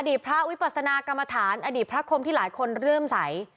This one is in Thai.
พระวิปัสนากรรมฐานอดีตพระคมที่หลายคนเริ่มใส